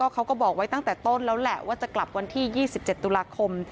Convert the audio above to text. เขาก็บอกไว้ตั้งแต่ต้นแล้วแหละว่าจะกลับวันที่๒๗ตุลาคม